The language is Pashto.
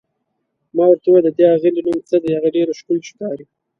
ما ورته وویل: د دې اغلې نوم څه دی، هغه ډېره ښکلې ښکاري؟